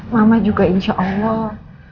mama juga insya allah